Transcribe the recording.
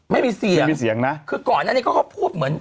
ไม่มีเสียงไม่มีเสียงนะคือก่อนอันนี้เขาก็พูดเหมือน